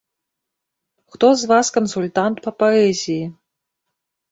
Хто з вас кансультант па паэзіі?